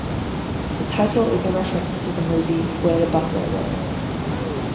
The title is a reference to the movie "Where the Buffalo Roam".